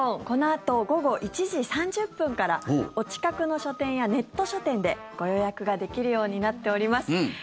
このあと午後１時３０分からお近くの書店やネット書店でご予約ができるようになっております。